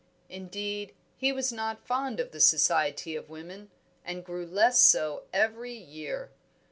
Indeed, he was not fond of the society of women, and grew less so every year.